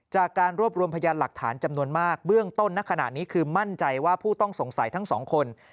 จากการรวบรวมพยานหลักฐานจำนวนมากเบื้องต้นณขณะนี้คือมั่นใจว่าผู้ต้องสงสัยทั้งสองคน